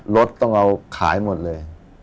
รถต้องเอาขายหมดเลย